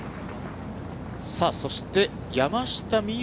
さあそして、山下美夢